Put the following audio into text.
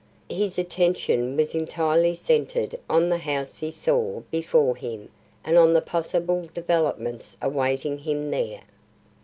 His attention was entirely centred on the house he saw before him and on the possible developments awaiting him there.